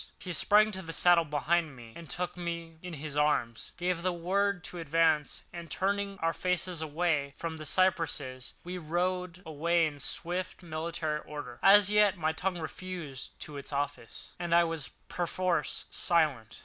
He sprang to the saddle behind me, took me in his arms, gave the word to advance; and, turning our faces away from the cypresses, we rode away in swift, military order. As yet my tongue refused its office, and I was perforce silent.